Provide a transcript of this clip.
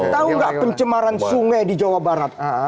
tahu nggak pencemaran sungai di jawa barat